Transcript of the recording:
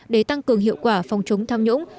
để tăng cường hiệu quả phòng chống tham nhũng